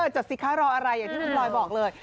จดสิคะรออะไรอย่างที่คุณพลอยบอกเลย